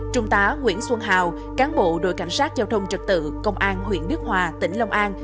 trung tá nguyễn xuân hào cán bộ đội cảnh sát giao thông trật tự công an huyện đức hòa tỉnh long an